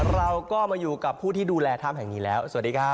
เราก็มาอยู่กับผู้ที่ดูแลถ้ำแห่งนี้แล้วสวัสดีครับ